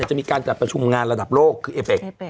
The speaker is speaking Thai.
จะมีการจัดประชุมงานระดับโลกคือเอเปค